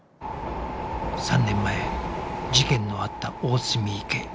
３年前事件のあった大澄池